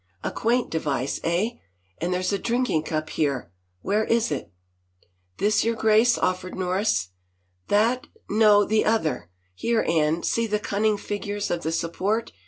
A quaint device, eh? And there's a drinking cup here — where is it —?"" This, your Grace ?" offered Norris. " That ? No, the other. Here, Anne, see the cunning figures of the support.